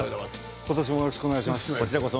今年もよろしくお願いします。